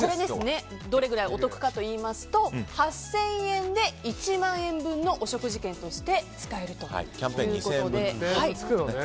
どれぐらいお得かといいますと８０００円で１万円分のお食事券として使えるということで。